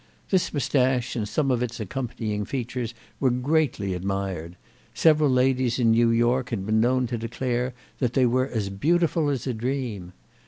This moustache and some of its accompanying features were greatly admired; several ladies in New York had been known to declare that they were as beautiful as a dream.